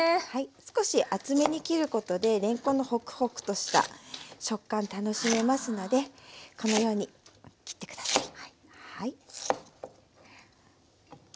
少し厚めに切ることでれんこんのホクホクとした食感楽しめますのでこのように切って下さい。